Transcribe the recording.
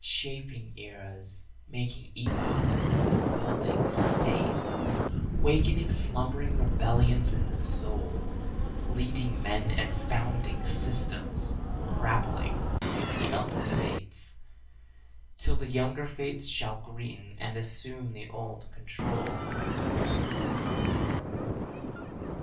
Shaping eras, making epochs, building States, Wakening slumbering rebellions in the soul, Leading men and founding systems, grappling with the elder fates Till the younger fates shall greaten and assume the old control.